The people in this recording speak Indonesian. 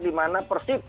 dimana persib akan menang